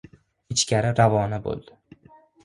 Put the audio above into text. Ichkari ravona bo‘ldi.